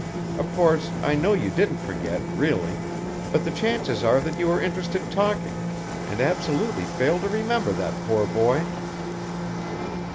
Of course, I know you didn't forget, really; but the chances are that you were interested talking, and absolutely failed to remember that poor boy."